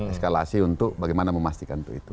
eskalasi untuk bagaimana memastikan itu